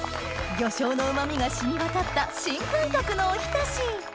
魚醤のうま味が染み渡った新感覚のおひたし